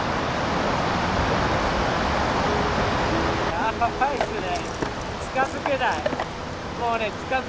やばいっすね。